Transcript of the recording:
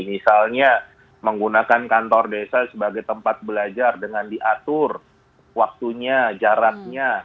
misalnya menggunakan kantor desa sebagai tempat belajar dengan diatur waktunya jaraknya